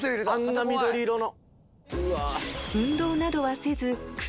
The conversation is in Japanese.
あんな緑色の。